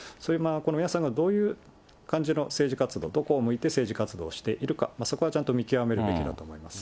美馬さんがどういう感じの政治活動、どこを向いて、政治活動をしているか、そこはちゃんと見極めるべきだと思います。